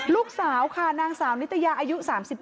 ลูกสาวค่ะนางสาวนิตยาอายุ๓๗